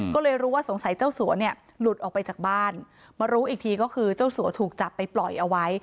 ก็เลยรู้ว่าสงสัยเจ้าสัวเนี่ยหลุดออกไปจากบ้านมารู้อีกทีก็คือเจ้าสัวถูกจับไปปล่อยเอาไว้